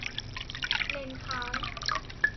เลนส์ค้าง